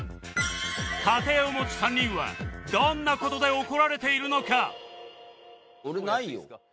家庭を持つ３人はどんな事で怒られているのか？